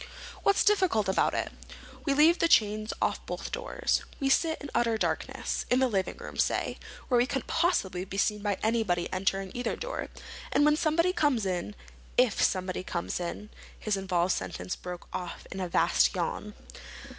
"What's difficult about it? We leave the chains off both doors. We sit in utter darkness—in the living room, say, where we couldn't possibly be seen by anybody entering either door. And when somebody comes in—if somebody comes in—" His involved sentence broke off in a vast yawn.